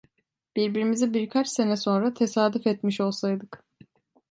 Birbirimize birkaç sene sonra tesadüf etmiş olsaydık!